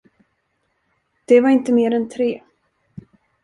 Det var inte mer än tre.